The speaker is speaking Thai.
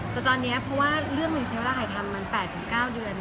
แต่ตอนนี้เพราะว่าเรื่องหนึ่งใช้เวลาถ่ายทำมัน๘๙เดือน